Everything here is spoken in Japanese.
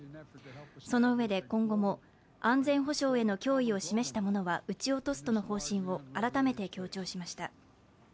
そのうえで今後も安全保障への脅威を示したものは撃ち落とすとの方針を改めて強調しました。